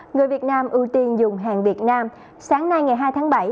người việt nam ưu tiên dùng hàng việt nam sáng nay ngày hai tháng bảy